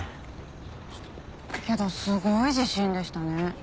けどすごい自信でしたね。